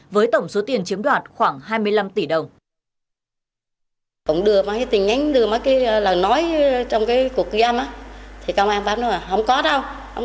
với tổng số tiền chiếm đoạt khoảng hai mươi năm tỷ đồng